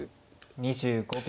２５秒。